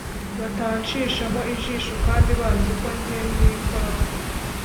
batanshishamo ijisho kandi baziko njye ntikoraho